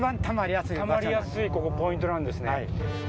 溜まりやすいここポイントなんですね。